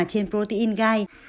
trên protein gai